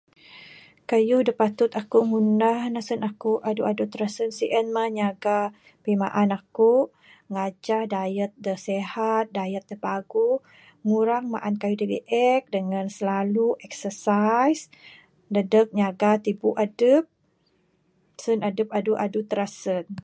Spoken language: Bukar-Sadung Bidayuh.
Kayuh da patut aku ngundah ne sen aku adu adu tirasen sien mah nyaga pimaan aku ngajah diet da sihat diet da paguh, ngurang maan kayuh da beek dengan slalu exercise dadeg nyaga tibu adep sen adep adu adu tirasen.